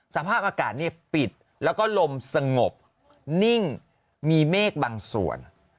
สภาพอากาศปิดแล้วก็ลมสงบนิ่งมีเมฆบางส่วน